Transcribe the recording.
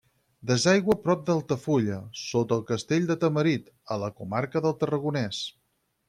Desaigua prop d'Altafulla, sota el castell de Tamarit, a la comarca del Tarragonès.